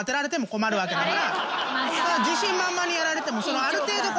自信満々にやられても。